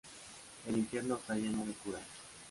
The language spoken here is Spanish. El infierno está lleno de curas